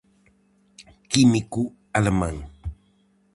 Químico alemán.